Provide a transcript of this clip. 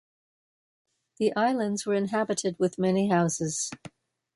The islands were inhabited, with many houses.